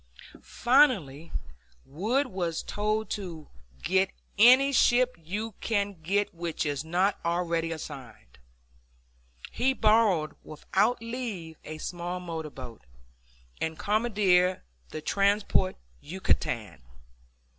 Finally Wood was told to "get any ship you can get which is not already assigned." He borrowed without leave a small motor boat, and commandeered the transport Yucatan.